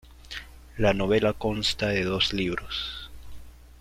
La novela consta de dos libros.